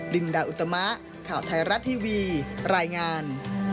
ดินดาอุตมะข่าวไทยรัฐทีวีรายงาน